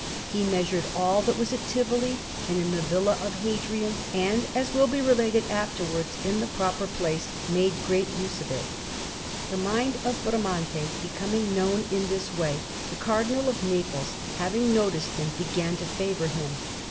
He measured all that was at Tivoli and in the Villa of Hadrian, and, as will be related afterwards in the proper place, made great use of it. The mind of Bramante becoming known in this way, the Cardinal of Naples, having noticed him, began to favour him.